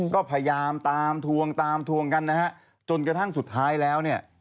ก็พยายามตามทวงตามทวงกันนะฮะจนกระทั่งสุดท้ายแล้วเนี่ย